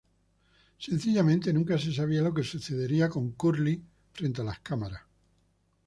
Sencillamente nunca se sabía lo que sucedería con Curly frente a las cámaras.